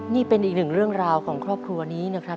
นี่เป็นอีกหนึ่งเรื่องราวของครอบครัวนี้นะครับ